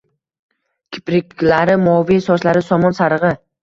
kipriklari moviy, sochlari somon sarig’i